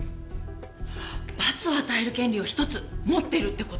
罰を与える権利を１つ持ってるって事？